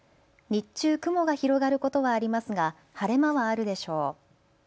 日中雲が広がることはありますが晴れ間はあるでしょう。